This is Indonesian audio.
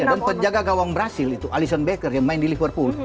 dan penjaga gawang brazil itu alison becker yang main di liverpool